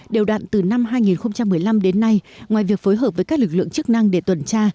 đều đạn từ năm hai nghìn một mươi năm đến nay ngoài việc phối hợp với các lực lượng chức năng để tuần tra